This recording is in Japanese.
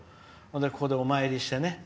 ここでお参りしてね。